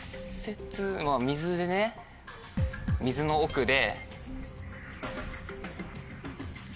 水でね水の奥で。